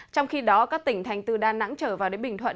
trong khi đó các tỉnh thành từ đà nẵng trở vào đến bình thuận